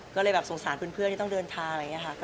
ก็เลยสงสารเพื่อนที่ต้องเดินทาง